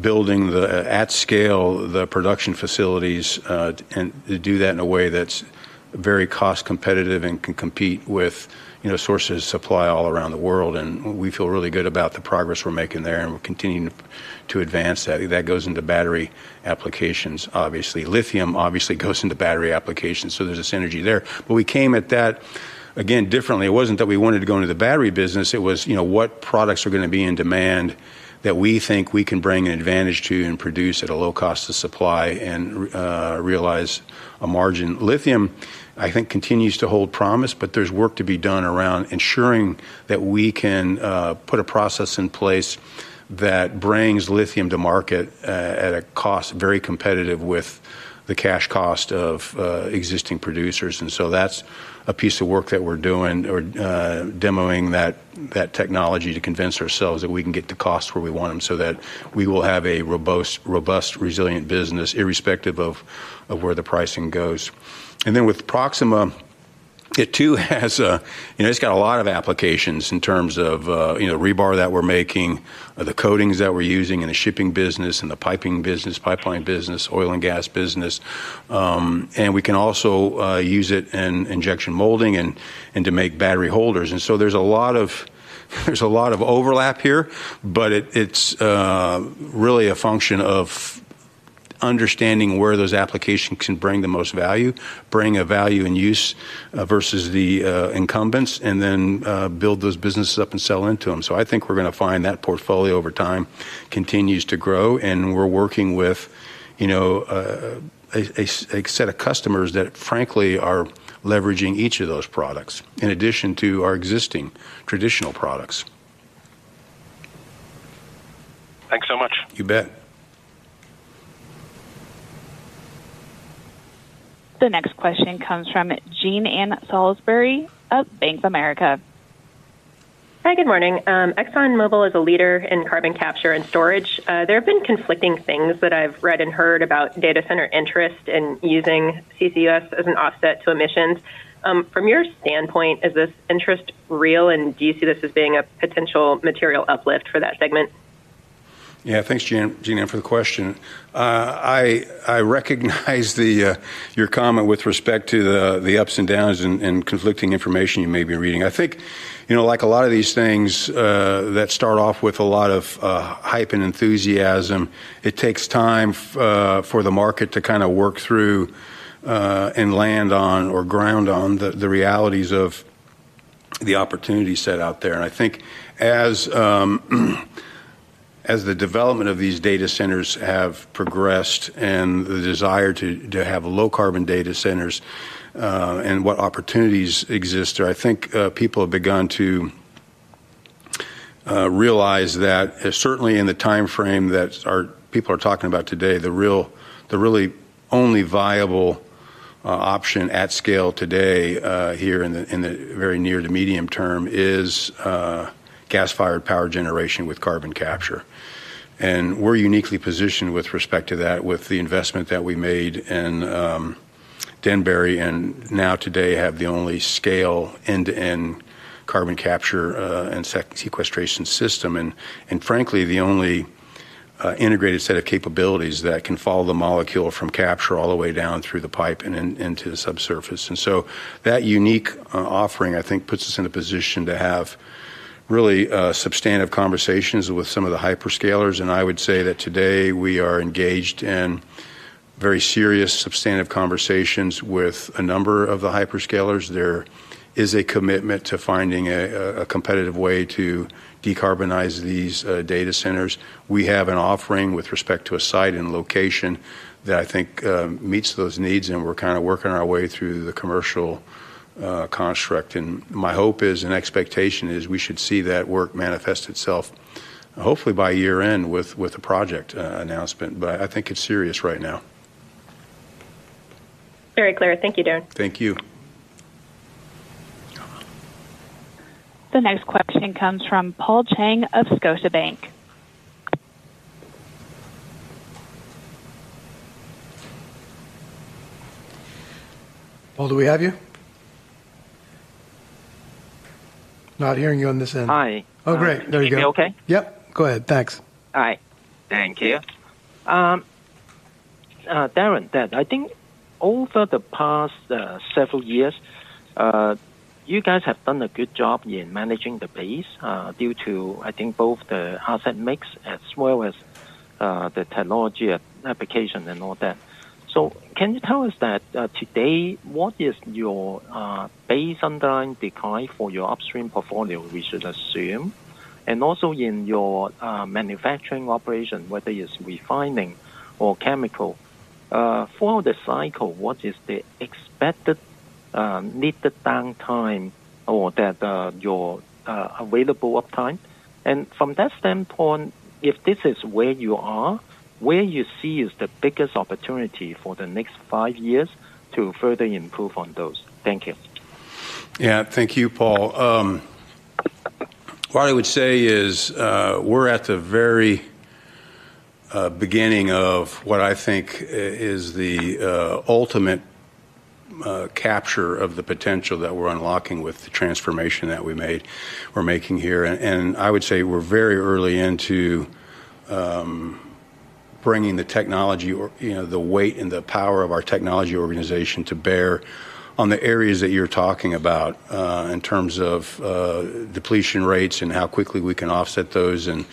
building the at scale, the production facilities, and do that in a way that's very cost competitive and can compete with, you know, sources of supply all around the world. And we feel really good about the progress we're making there, and we're continuing to advance that. That goes into battery applications, obviously. Lithium, obviously goes into battery applications, so there's a synergy there. But we came at that, again, differently. It wasn't that we wanted to go into the battery business, it was, you know, what products are gonna be in demand that we think we can bring an advantage to and produce at a low cost of supply and realize a margin? Lithium, I think, continues to hold promise, but there's work to be done around ensuring that we can put a process in place that brings lithium to market at a cost very competitive with the cash cost of existing producers. And so that's a piece of work that we're doing or demoing that technology to convince ourselves that we can get the costs where we want them, so that we will have a robust, robust, resilient business, irrespective of where the pricing goes. And then with Proxima, it too has a—you know, it's got a lot of applications in terms of, you know, rebar that we're making, the coatings that we're using in the shipping business, in the piping business, pipeline business, oil and gas business. And we can also use it in injection molding and to make battery holders. And so there's a lot of, there's a lot of overlap here, but it's really a function of understanding where those applications can bring the most value, bring a value in use, versus the incumbents, and then build those businesses up and sell into them. So I think we're gonna find that portfolio over time continues to grow, and we're working with, you know, a set of customers that frankly are leveraging each of those products in addition to our existing traditional products. Thanks so much. You bet. The next question comes from Jean Ann Salisbury of Bank of America. Hi, good morning. ExxonMobil is a leader in carbon capture and storage. There have been conflicting things that I've read and heard about data center interest in using CCS as an offset to emissions. From your standpoint, is this interest real, and do you see this as being a potential material uplift for that segment? Yeah. Thanks, Jean Ann, for the question. I recognize your comment with respect to the ups and downs and conflicting information you may be reading. I think, you know, like a lot of these things that start off with a lot of hype and enthusiasm, it takes time for the market to kind of work through and land on or ground on the realities of the opportunity set out there. I think as, as the development of these data centers have progressed and the desire to, to have low carbon data centers, and what opportunities exist, I think, people have begun to, realize that certainly in the timeframe that our people are talking about today, the real the really only viable, option at scale today, here in the, in the very near to medium term is, gas-fired power generation with carbon capture. We're uniquely positioned with respect to that, with the investment that we made in, Denbury, and now today have the only scale end-to-end carbon capture, and sequestration system, and, and frankly, the only, integrated set of capabilities that can follow the molecule from capture all the way down through the pipe and into the subsurface. That unique offering, I think, puts us in a position to have really substantive conversations with some of the hyperscalers. I would say that today we are engaged in very serious, substantive conversations with a number of the hyperscalers. There is a commitment to finding a competitive way to decarbonize these data centers. We have an offering with respect to a site and location that I think meets those needs, and we're kind of working our way through the commercial construct. My hope is and expectation is we should see that work manifest itself, hopefully by year-end, with a project announcement. I think it's serious right now. Very clear. Thank you, Darren. Thank you. The next question comes from Paul Cheng of Scotiabank. Paul, do we have you? Not hearing you on this end. Hi. Oh, great. There we go. Can you hear me okay? Yep, go ahead. Thanks. All right. Thank you. Darren, then I think over the past several years, you guys have done a good job in managing the base, due to, I think, both the asset mix as well as the technology application and all that. So can you tell us that today, what is your base underlying decline for your upstream portfolio we should assume? And also in your manufacturing operation, whether it's refining or chemical, for the cycle, what is the expected needed downtime or that your available uptime? And from that standpoint, if this is where you are, where you see is the biggest opportunity for the next five years to further improve on those? Thank you. Yeah. Thank you, Paul. What I would say is, we're at the very beginning of what I think is the ultimate capture of the potential that we're unlocking with the transformation that we made, we're making here. And I would say we're very early into bringing the technology or, you know, the weight and the power of our technology organization to bear on the areas that you're talking about in terms of depletion rates and how quickly we can offset those and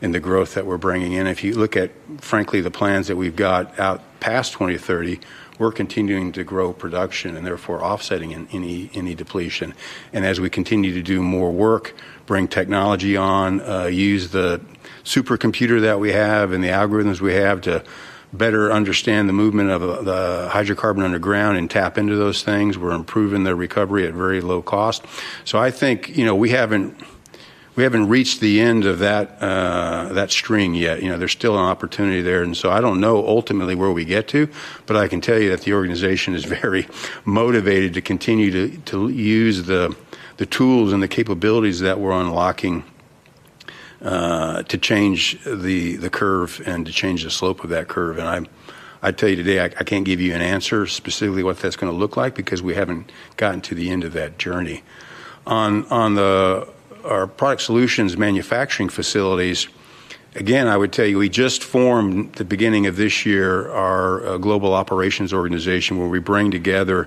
the growth that we're bringing in. If you look at, frankly, the plans that we've got out past 2030, we're continuing to grow production and therefore offsetting any depletion. As we continue to do more work, bring technology on, use the supercomputer that we have and the algorithms we have to better understand the movement of the hydrocarbon underground and tap into those things, we're improving their recovery at very low cost. So I think, you know, we haven't, we haven't reached the end of that, that stream yet. You know, there's still an opportunity there, and so I don't know ultimately where we get to, but I can tell you that the organization is very motivated to continue to, to use the, the tools and the capabilities that we're unlocking, to change the, the curve and to change the slope of that curve. And I'd tell you today, I, I can't give you an answer specifically what that's gonna look like because we haven't gotten to the end of that journey. On our Product Solutions manufacturing facilities, again, I would tell you, we just formed the beginning of this year our Global Operations organization, where we bring together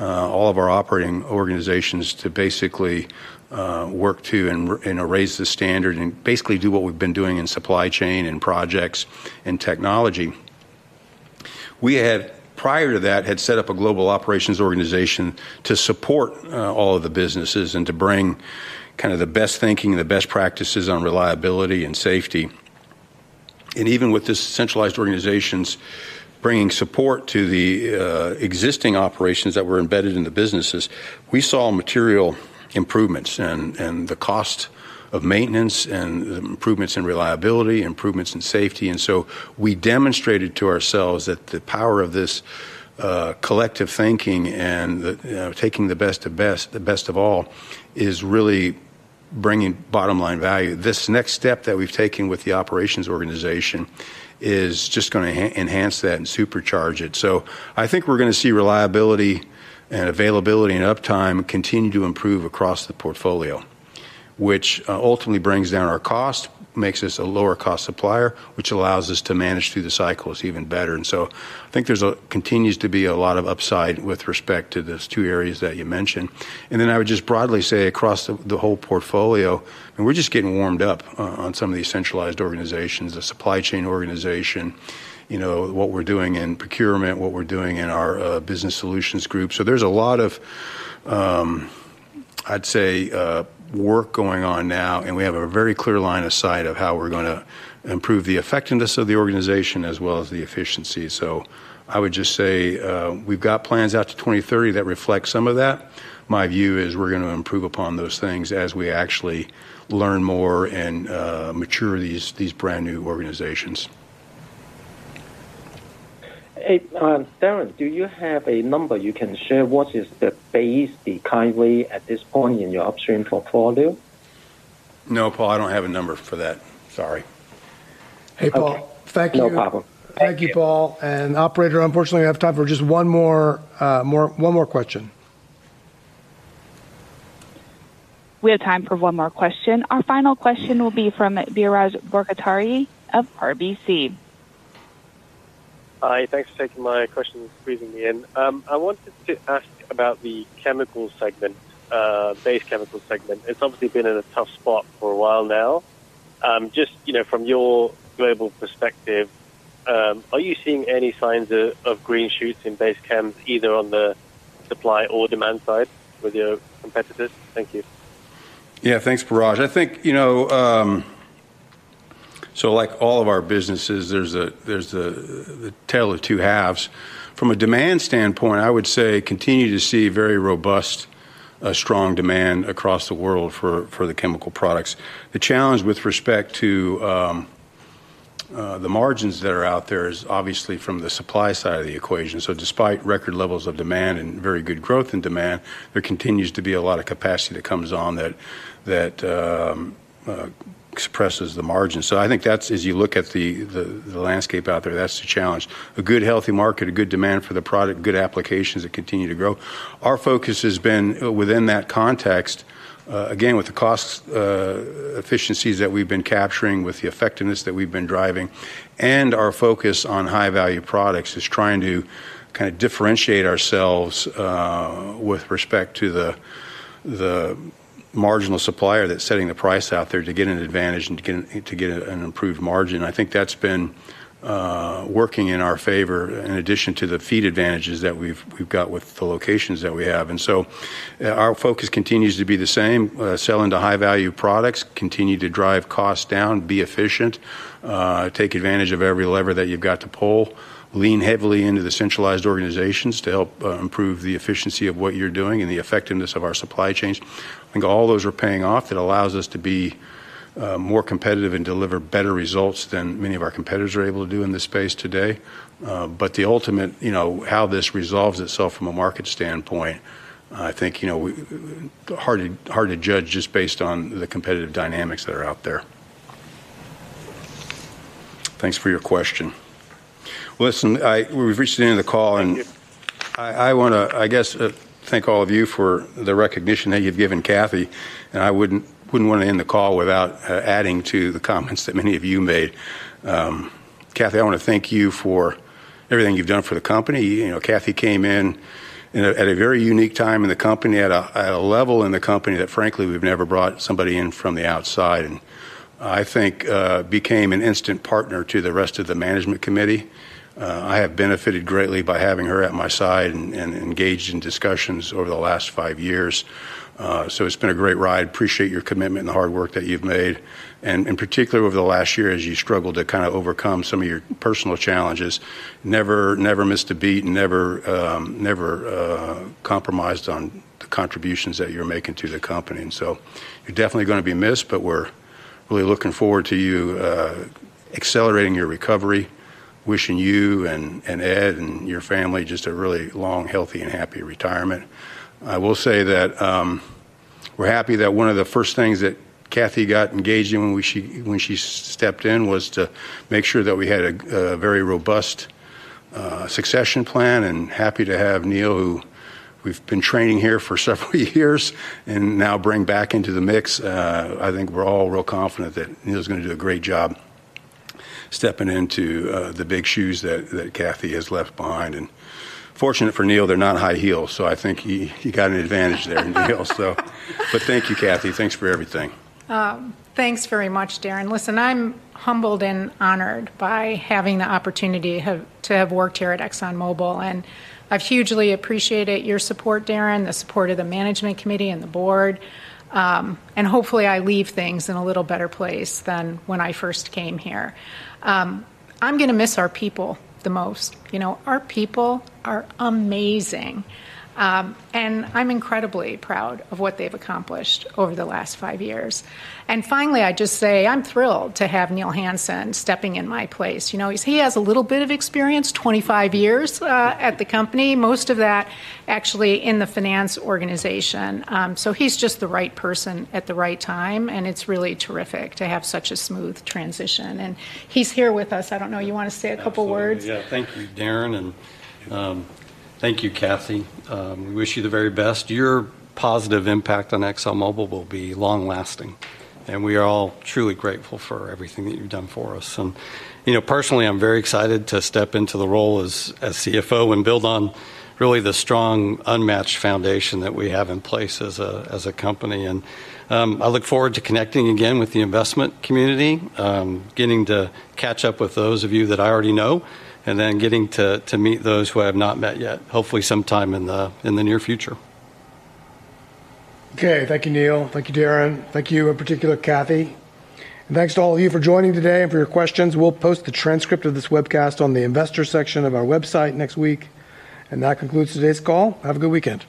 all of our operating organizations to basically work to and raise the standard and basically do what we've been doing in supply chain and projects and technology. We had, prior to that, had set up a global operations organization to support all of the businesses and to bring kind of the best thinking and the best practices on reliability and safety. And even with this centralized organizations bringing support to the existing operations that were embedded in the businesses, we saw material improvements and the cost of maintenance and improvements in reliability, improvements in safety. And so we demonstrated to ourselves that the power of this, collective thinking and the, you know, taking the best of best, the best of all, is really bringing bottom line value. This next step that we've taken with the operations organization is just gonna enhance that and supercharge it. So I think we're gonna see reliability and availability and uptime continue to improve across the portfolio, which ultimately brings down our cost, makes us a lower cost supplier, which allows us to manage through the cycles even better. And so I think there continues to be a lot of upside with respect to those two areas that you mentioned. And then I would just broadly say across the whole portfolio, and we're just getting warmed up on some of these centralized organizations, the supply chain organization, you know, what we're doing in procurement, what we're doing in our business solutions group. So there's a lot of, I'd say, work going on now, and we have a very clear line of sight of how we're gonna improve the effectiveness of the organization as well as the efficiency. So I would just say, we've got plans out to 2030 that reflect some of that. My view is we're gonna improve upon those things as we actually learn more and mature these, these brand-new organizations. Hey, Darren, do you have a number you can share? What is the base, the decline at this point in your upstream portfolio? No, Paul, I don't have a number for that. Sorry. Okay. Hey, Paul. Thank you. No problem. Thank you. Thank you, Paul. Operator, unfortunately, we have time for just one more question. We have time for one more question. Our final question will be from Biraj Borkhataria of RBC. Hi, thanks for taking my question, squeezing me in. I wanted to ask about the chemical segment, base chemical segment. It's obviously been in a tough spot for a while now. Just, you know, from your global perspective, are you seeing any signs of green shoots in base chem, either on the supply or demand side with your competitors? Thank you. Yeah, thanks, Biraj. I think, you know... So like all of our businesses, there's the tale of two halves. From a demand standpoint, I would say, continue to see very robust, strong demand across the world for, for the chemical products. The challenge with respect to, the margins that are out there is obviously from the supply side of the equation. So despite record levels of demand and very good growth in demand, there continues to be a lot of capacity that comes on that, that, expresses the margin. So I think that's, as you look at the landscape out there, that's the challenge. A good, healthy market, a good demand for the product, good applications that continue to grow. Our focus has been within that context, again, with the cost efficiencies that we've been capturing, with the effectiveness that we've been driving, and our focus on high-value products, is trying to kind of differentiate ourselves with respect to the marginal supplier that's setting the price out there to get an advantage and to get an improved margin. I think that's been working in our favor in addition to the feed advantages that we've got with the locations that we have. And so, our focus continues to be the same: sell into high-value products, continue to drive costs down, be efficient, take advantage of every lever that you've got to pull, lean heavily into the centralized organizations to help improve the efficiency of what you're doing and the effectiveness of our supply chains. I think all those are paying off. It allows us to be more competitive and deliver better results than many of our competitors are able to do in this space today. But the ultimate, you know, how this resolves itself from a market standpoint, I think, you know, hard to, hard to judge just based on the competitive dynamics that are out there. Thanks for your question. Listen, we've reached the end of the call, and I wanna, I guess, thank all of you for the recognition that you've given Kathy, and I wouldn't, wouldn't wanna end the call without adding to the comments that many of you made. Kathy, I wanna thank you for everything you've done for the company. You know, Kathy came in, you know, at a very unique time in the company, at a level in the company that, frankly, we've never brought somebody in from the outside, and I think, became an instant partner to the rest of the management committee. I have benefited greatly by having her at my side and engaged in discussions over the last five years. So it's been a great ride. Appreciate your commitment and the hard work that you've made, and particularly over the last year, as you struggled to kinda overcome some of your personal challenges. Never, never missed a beat, and never compromised on the contributions that you're making to the company, and so you're definitely gonna be missed. But we're really looking forward to you accelerating your recovery. Wishing you and Ed and your family just a really long, healthy, and happy retirement. I will say that we're happy that one of the first things that Kathy got engaged in when she stepped in was to make sure that we had a very robust succession plan, and happy to have Neil, who we've been training here for several years, and now bring back into the mix. I think we're all real confident that Neil's gonna do a great job stepping into the big shoes that Kathy has left behind. And fortunate for Neil, they're not high heels, so I think he got an advantage there in the heels, so. But thank you, Kathy. Thanks for everything. Thanks very much, Darren. Listen, I'm humbled and honored by having the opportunity to have worked here at ExxonMobil, and I've hugely appreciated your support, Darren, the support of the management committee and the board. Hopefully, I leave things in a little better place than when I first came here. I'm gonna miss our people the most. You know, our people are amazing, and I'm incredibly proud of what they've accomplished over the last five years. Finally, I'd just say, I'm thrilled to have Neil Hansen stepping in my place. You know, he has a little bit of experience, 25 years at the company, most of that actually in the finance organization. So he's just the right person at the right time, and it's really terrific to have such a smooth transition, and he's here with us. I don't know. You wanna say a couple words? Absolutely. Yeah. Thank you, Darren, and thank you, Kathy. We wish you the very best. Your positive impact on ExxonMobil will be long-lasting, and we are all truly grateful for everything that you've done for us. You know, personally, I'm very excited to step into the role as CFO and build on really the strong, unmatched foundation that we have in place as a company. I look forward to connecting again with the investment community, getting to catch up with those of you that I already know, and then getting to meet those who I have not met yet, hopefully sometime in the near future. Okay. Thank you, Neil. Thank you, Darren. Thank you, in particular, Kathy, and thanks to all of you for joining today and for your questions. We'll post the transcript of this webcast on the investor section of our website next week, and that concludes today's call. Have a good weekend.